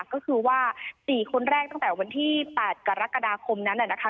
ก็คือว่า๔คนแรกตั้งแต่วันที่๘กรกฎาคมนั้นนะคะ